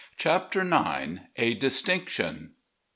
161 CHAPTER IX. A DISTINCTION.